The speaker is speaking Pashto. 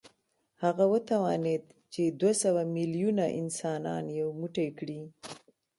هغه وتوانېد چې دوه سوه ميليونه انسانان يو موټی کړي.